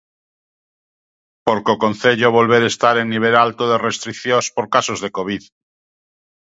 Porque o concello volver estar en nivel alto de restricións por casos de covid.